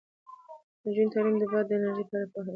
د نجونو تعلیم د باد د انرژۍ په اړه پوهه ورکوي.